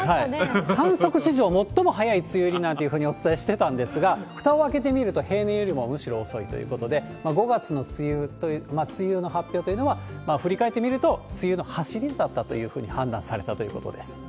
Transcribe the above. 観測史上最も早い梅雨入りなんていうふうにお伝えしてたんですが、ふたを開けてみると、平年よりもむしろ遅いということで、５月の梅雨の発表というのは、振り返ってみると梅雨のはしりだったというふうに判断されたということです。